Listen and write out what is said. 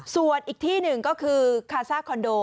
ส่วนอีกที่หนึ่งก็คือคาซ่าคอนโด